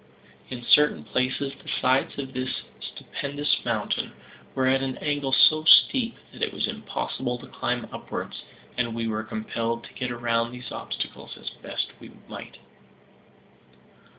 In certain places the sides of this stupendous mountain were at an angle so steep that it was impossible to climb upwards, and we were compelled to get round these obstacles as best we might.